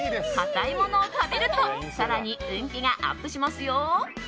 硬いものを食べると更に運気がアップしますよ。